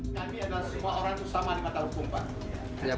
ini adalah semua orang yang bersama di mata hukum pak